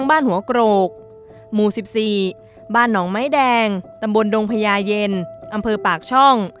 บ้านหัวโกรกหมู่๑๔บ้านหนองไม้แดงตำบลดงพญาเย็นอำเภอปากช่อง